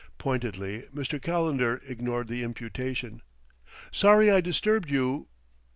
Pointedly Mr. Calendar ignored the imputation. "Sorry I disturbed you.